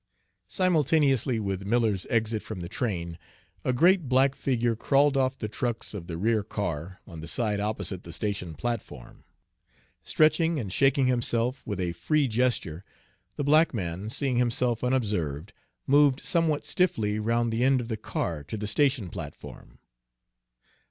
Simultaneously with Miller's exit from the train, a great black figure crawled off the trucks of the rear car, on the side opposite the station platform. Stretching and shaking himself with a free gesture, the black man, seeing himself unobserved, moved somewhat stiffly round the end of the car to the station platform.